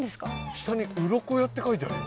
下に「うろこ屋」って書いてあるよ。